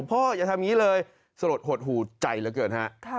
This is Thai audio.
อย่าทำอย่างนี้เลยสลดหดหูใจเหลือเกินฮะ